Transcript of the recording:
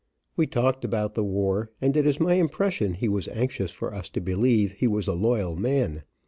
We talked about the war, and it is my impression he was anxious for us to believe he was a loyal man.